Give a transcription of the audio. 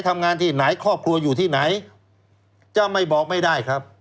ทำงานที่ไหนครอบครัวอยู่ที่ไหนจะไม่บอกไม่ได้ครับ